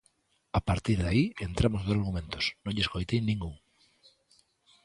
A partir de aí entramos nos argumentos, non lle escotei ningún.